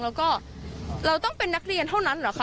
แล้วก็เราต้องเป็นนักเรียนเท่านั้นเหรอคะ